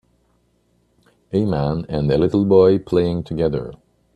A man and a little boy playing together.